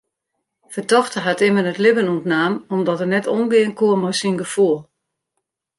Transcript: Fertochte hat immen it libben ûntnaam omdat er net omgean koe mei syn gefoel.